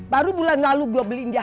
baru bulan lalu gue beli dia hp